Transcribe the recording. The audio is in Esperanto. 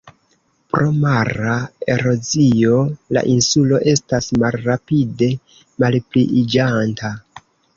Pro mara erozio, la insulo estas malrapide malpliiĝanta.